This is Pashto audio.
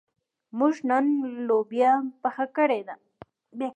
موږ نن لوبیا پخه کړې ده.